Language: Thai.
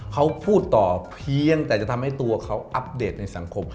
เขาพูดต่อเพียงแต่จะทำให้ตัวเขาอัปเดตในสังคม